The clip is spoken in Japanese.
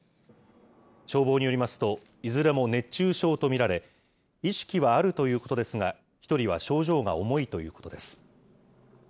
消防によりますと、いずれも熱中症と見られ、意識はあるということですが、１人は症状が重いということです。